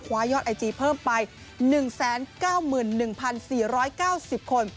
ยอดไอจีเพิ่มไป๑๙๑๔๙๐คน